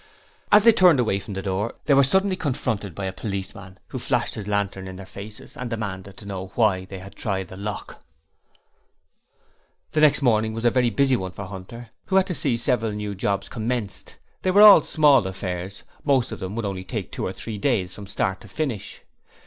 As they turned away from the door, they were suddenly confronted by a policeman who flashed his lantern in their faces and demanded to know why they had tried the lock... The next morning was a very busy one for Hunter, who had to see several new jobs commenced. They were all small affairs. Most of them would only take two or three days from start to finish.